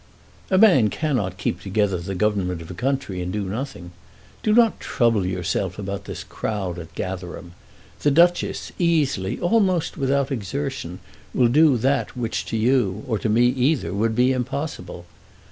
"A man cannot keep together the Government of a country and do nothing. Do not trouble yourself about this crowd at Gatherum. The Duchess, easily, almost without exertion, will do that which to you, or to me either, would be impossible.